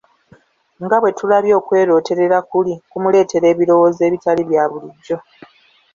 Nga bwe tulabye okwerooterera kuli kumuleetera ebirowoozo ebitali bya bulijjo.